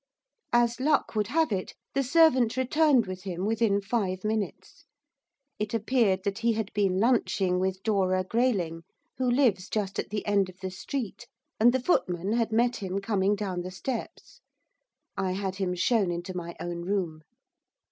As luck would have it, the servant returned with him within five minutes. It appeared that he had been lunching with Dora Grayling, who lives just at the end of the street, and the footman had met him coming down the steps. I had him shown into my own room.